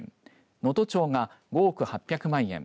能登町が５億８００万円